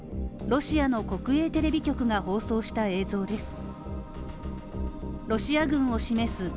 ロシアの国営テレビ局が放送した映像です。